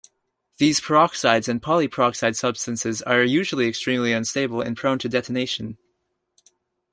These peroxides and polyperoxide substances are usually extremely unstable and prone to detonation.